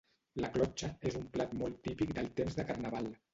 La clotxa és un plat molt típic del temps de Carnaval.